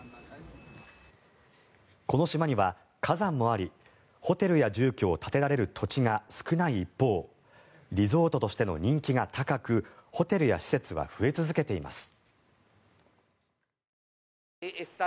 この島には火山もありホテルや住居を建てられる土地が少ない一方リゾートとしての人気が高くホテルや施設は増え続けています。